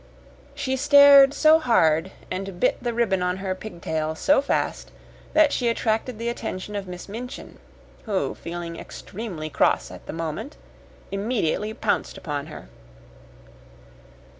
She stared so hard and bit the ribbon on her pigtail so fast that she attracted the attention of Miss Minchin, who, feeling extremely cross at the moment, immediately pounced upon her.